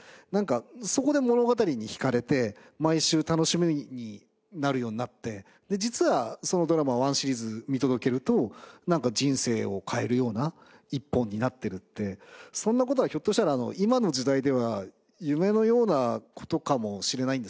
そこで物語に惹かれて毎週楽しみになるようになって実はそのドラマを１シーズン見届けるとなんか人生を変えるような一本になってるってそんな事がひょっとしたら今の時代では夢のような事かもしれないんですけど。